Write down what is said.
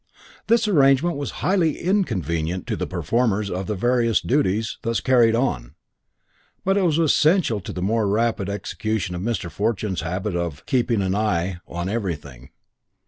This arrangement was highly inconvenient to the performers of the various duties thus carried on, but was essential to the more rapid execution of Mr. Fortune's habit of "keeping an eye" on everything.